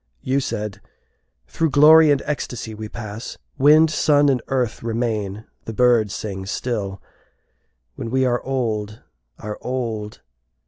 You said, "Through glory and ecstasy we pass; Wind, sun, and earth remain, the birds sing still, When we are old, are old.